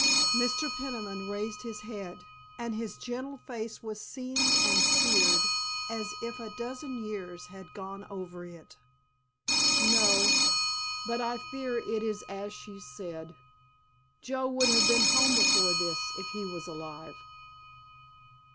Mr. Peniman raised his head, and his gentle face was seamed and seared as if a dozen years had gone over it. "No, but I fear it is as she said. Joe would have been home before this if he was alive."